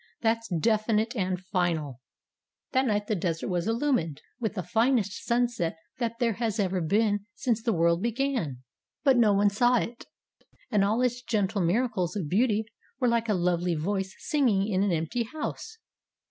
That's definite and final." And that night the Desert was illumined with the finest sunset that there has ever been since the world began. But no eye saw it, and all its gentle miracles of beauty were like a lovely voice singing in an empty house.